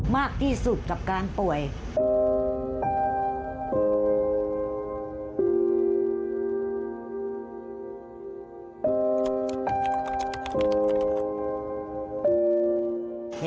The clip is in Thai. มากที่สุดกับการป่วย